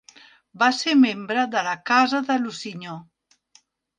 Va ser membre de la Casa de Lusignan.